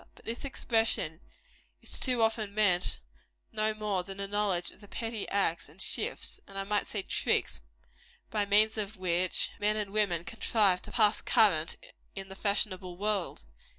But by this expression is too often meant no more than a knowledge of the petty acts and shifts, and I might say tricks, by means of which men and women contrive to pass current in the fashionable world.